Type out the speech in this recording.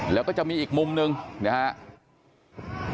แล้วก็จะมีอีกมุมหนึ่งนะครับ